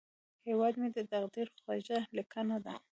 هیواد مې د تقدیر خوږه لیکنه ده